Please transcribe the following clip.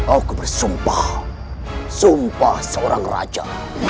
aku bersumpah sumpah seorang raja